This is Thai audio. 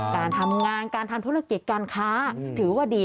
การทำงานการทำธุรกิจการค้าถือว่าดี